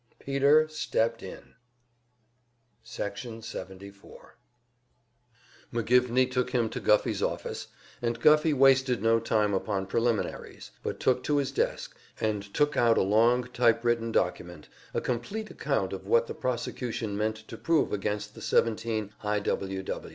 Peter stepped in! Section 74 McGivney took him to Guffey's office, and Guffey wasted no time upon preliminaries, but turned to his desk, and took out a long typewritten document, a complete account of what the prosecution meant to prove against the seventeen I. W.